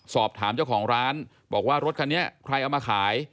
สอบถามเจ้าของร้านบอกว่ารถคันนี้ใครเอามาขาย